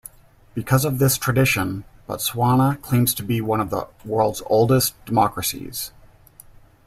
Because of this tradition, Botswana claims to be one of the world's oldest democracies.